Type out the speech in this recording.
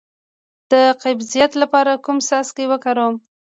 د قبضیت لپاره کوم څاڅکي وکاروم؟